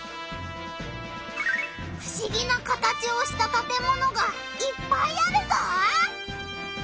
ふしぎな形をしたたてものがいっぱいあるぞ！